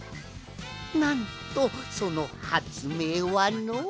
なんとそのはつめいはの。